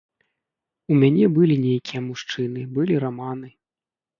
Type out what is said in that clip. У мяне былі нейкія мужчыны, былі раманы.